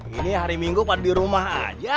ini hari minggu padu dirumah aja